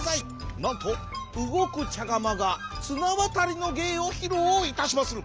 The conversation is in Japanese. なんとうごくちゃがまがつなわたりのげいをひろういたしまする。